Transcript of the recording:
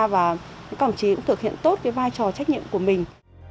và cổng chí cũng thực hiện tốt cái vai trò trách nhiệm của mình